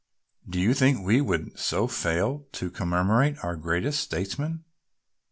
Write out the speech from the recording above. Do you think we would so fail to commemorate our greatest statesman?